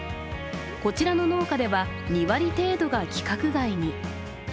こちらの農家では２割程度が規格外に。